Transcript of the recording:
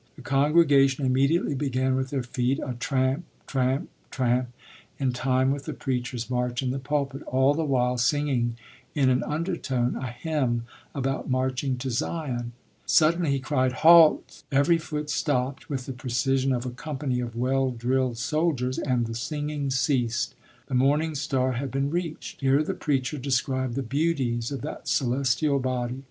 The congregation immediately began with their feet a tramp, tramp, tramp, in time with the preacher's march in the pulpit, all the while singing in an undertone a hymn about marching to Zion. Suddenly he cried: "Halt!" Every foot stopped with the precision of a company of well drilled soldiers, and the singing ceased. The morning star had been reached. Here the preacher described the beauties of that celestial body.